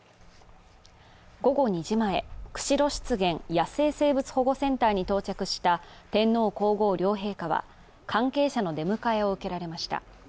午後２時前、釧路湿原野生生物保護センターに到着した天皇皇后両陛下は関係者の出迎えを受けられました。